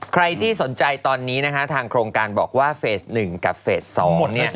ใครที่สนใจตอนนี้นะคะทางโครงการบอกว่าเฟส๑กับเฟส๒เนี่ย